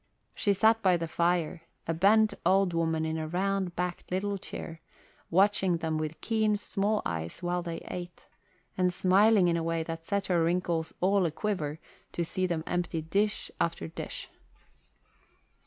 She sat by the fire, a bent old woman in a round backed little chair, watching them with keen small eyes while they ate, and smiling in a way that set her wrinkles all a quiver to see them empty dish after dish.